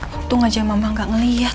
untung aja mama gak ngeliat